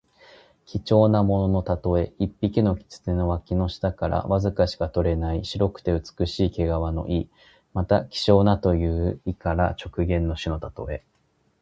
貴重なもののたとえ。一匹の狐の脇の下からわずかしか取れない白くて美しい毛皮の意。また、希少なという意から直言の士のたとえ。